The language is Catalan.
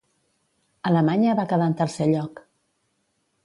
Alemanya va quedar en tercer lloc.